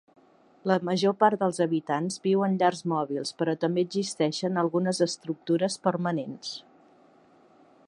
La major part dels habitants viu en llars mòbils, però també existeixen algunes estructures permanents.